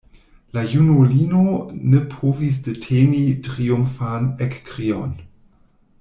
La junulino ne povis deteni triumfan ekkrion.